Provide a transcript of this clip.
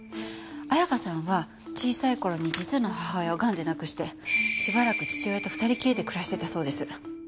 彩華さんは小さい頃に実の母親をがんで亡くしてしばらく父親と２人きりで暮らしてたそうです。